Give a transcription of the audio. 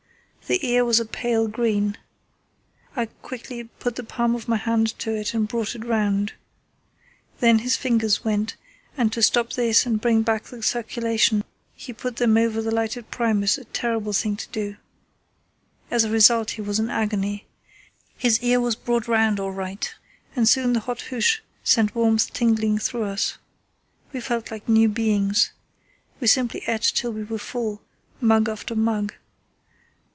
The ear was a pale green. I quickly put the palm of my hand to it and brought it round. Then his fingers went, and to stop this and bring back the circulation he put them over the lighted Primus, a terrible thing to do. As a result he was in agony. His ear was brought round all right, and soon the hot hoosh sent warmth tingling through us. We felt like new beings. We simply ate till we were full, mug after mug.